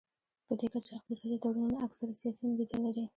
پدې کچه اقتصادي تړونونه اکثره سیاسي انګیزه لري